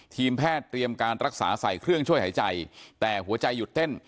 ทีมแพทย์เตรียมการรักษาใส่เครื่องช่วยหายใจแต่หัวใจหยุดเต้น